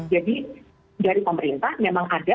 dari pemerintah memang ada